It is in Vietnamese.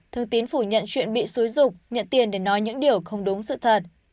thương tín phủ nhận chuyện bị xúi dục nhận tiền để nói những điều không đúng sự thật